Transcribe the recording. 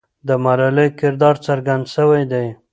د ملالۍ کردار څرګند سوی دی.